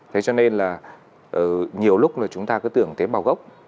thế cho nên là nhiều lúc là chúng ta cứ tưởng tế bào gốc